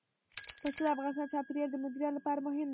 پسه د افغانستان د چاپیریال د مدیریت لپاره مهم دي.